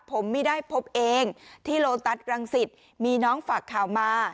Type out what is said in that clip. ผมไม่ได้พบเองที่โลตัสรังสิตมีน้องฝากข่าวมา